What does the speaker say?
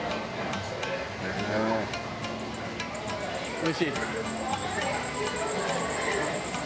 「おいしい？」